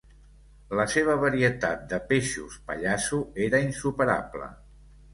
La seva varietat de peixos pallasso era insuperable.